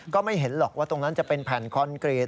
ก็ไม่เห็นหรอกว่าตรงนั้นจะเป็นแผ่นคอนกรีต